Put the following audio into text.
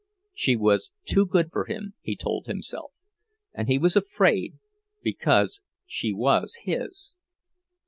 She was too good for him, he told himself, and he was afraid, because she was his.